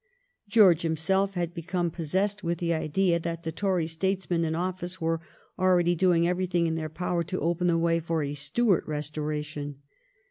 George himself had become possessed with the idea that the Tory statesmen in office were already doing everything in their power to open the way for a Stuart restoration.